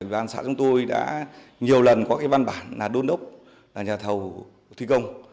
văn xã chúng tôi đã nhiều lần có cái văn bản là đôn đốc là nhà thầu thi công